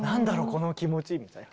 この気持ち」みたいな。